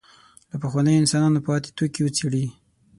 له پخوانیو انسانانو پاتې توکي وڅېړي.